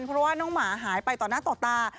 เพราะว่าน้องหมาหายไปต่อหน้าต่อตา